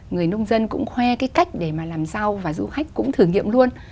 người nông dân cũng khoe cái cách để mà làm sao và du khách cũng thử nghiệm luôn